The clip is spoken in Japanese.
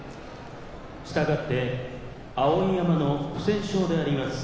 したがって碧山の不戦勝であります。